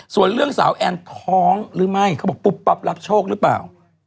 ส่วนเรื่องสาวแอนท้องหรือไม่เขาบอกปุ๊บปั๊บรับโชคหรือเปล่า